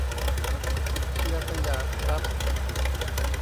เชียร์สยาม ครับ